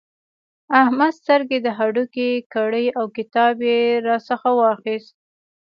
احمد سترګې د هډوکې کړې او کتاب يې راڅخه واخيست.